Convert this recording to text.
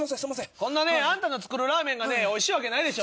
こんなねあんたの作るラーメンがおいしいわけないでしょ。